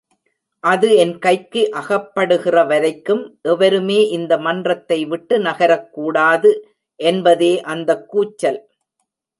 அது என் கைக்கு அகப்படுகிறவரைக்கும், எவருமே இந்த மன்றத்தை விட்டு நகரக் கூடாது என்பதே அந்தக் கூச்சல்!